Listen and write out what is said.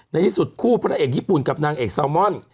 ในที่สุดคู่พระเอกญี่ปุ่นกับนางเอกแซลมอน